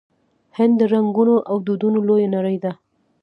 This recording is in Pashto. هند د رنګونو او دودونو لویه نړۍ ده.